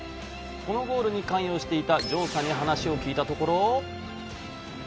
このゴールに関与していた城さんに話を聞いたところ。